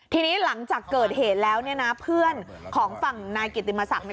ทีนี้หลังจากเกิดเหตุแล้วเนี่ยนะเพื่อนของฝั่งนายกิติมศักดิ์